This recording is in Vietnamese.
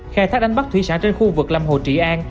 khai thác đánh bắt thủy sản trên khu vực lòng hồ trị an